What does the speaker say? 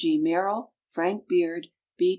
G. MERRILL, FRANK BEARD, B.